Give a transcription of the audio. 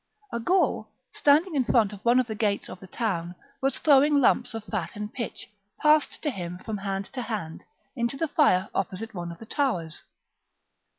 A Gaul, standing in front of one of the gates of the town, was throwing lumps of fat and pitch, passed to him from hand to hand, into the fire opposite one of the towers.